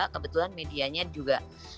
kebetulan medianya juga